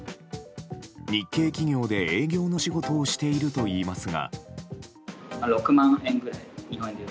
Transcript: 日系企業で営業の仕事をしているといいますが。